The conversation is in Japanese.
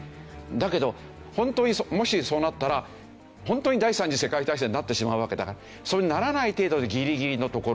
だけど本当にもしそうなったら本当に第三次世界大戦になってしまうわけだからそうならない程度でギリギリのところ。